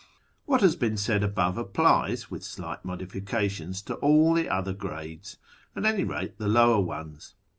What has been said above applies, with slight modifica tions, to all the other grades, at any rate the lower ones.